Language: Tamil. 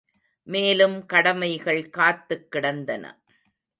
மேலும் கடமைகள் காத்துக் கிடந்தன.